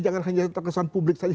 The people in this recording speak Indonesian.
jangan hanya terkesan publik saja